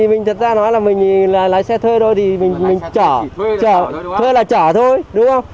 thì mình thật ra nói là mình là lái xe thuê thôi thì mình chở thuê là chở thôi đúng không